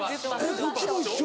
こっちも一緒。